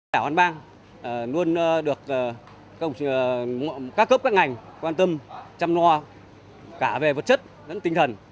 đảo an bang luôn được các cấp các ngành quan tâm chăm lo cả về vật chất